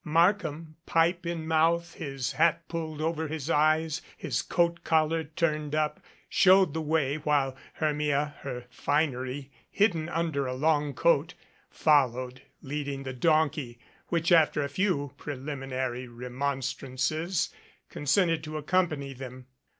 Markham, pipe in mouth, his hat pulled over his eyes, his coat collar turned up, showed the way, while Hermia, her finery hidden under a long coat, followed, leading the donkey, which, after a few preliminary remonstrances, consented to accompany them.